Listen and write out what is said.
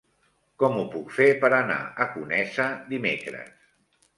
Com ho puc fer per anar a Conesa dimecres?